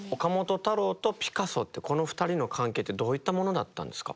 太郎とピカソってこの２人の関係ってどういったものだったんですか？